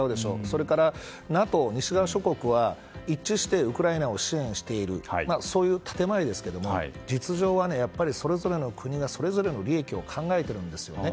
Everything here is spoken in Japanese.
それからＮＡＴＯ、西側諸国は一致してウクライナを支援しているそういう建前ですけど実情はやっぱり、それぞれの国がそれぞれの利益を考えてるんですよね。